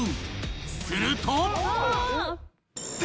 ［すると］